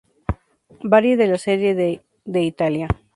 Bari de la Serie D de Italia.